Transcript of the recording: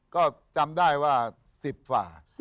ก็จำได้ว่า๑๐ฝ่า